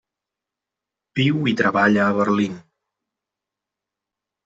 Viu i treballa a Berlín.